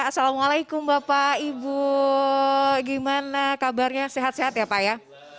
assalamualaikum bapak ibu gimana kabarnya sehat sehat ya pak ya